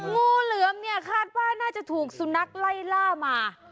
งูเหลือมขาดบ้านน่าจะถูกสุนักไล่ล่ามา